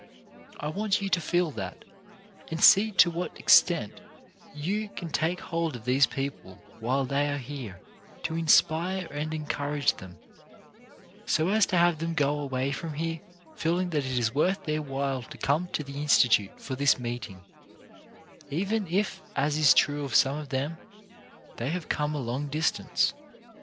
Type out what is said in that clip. I want you to feel that, and see to what extent you can take hold of these people while they are here, to inspire and encourage them, so as to have them go away 160 CHARACTER BUILDING from here feeling that it is worth their while to come to the Institute for this meeting, even if — as is true of some of them — they have come a long distance.